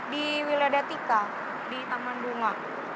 di wilayah datika di taman bunga